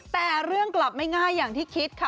แต่เรื่องกลับไม่ง่ายอย่างที่คิดค่ะ